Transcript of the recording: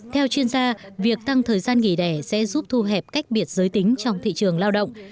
theo chuyên gia việc tăng thời gian nghỉ đẻ sẽ giúp thu hẹp cách biệt giới tính trong thị trường lao động